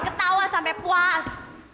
ketawa sampai puas